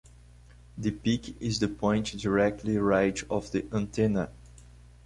The peak is the point directly right of the antenna.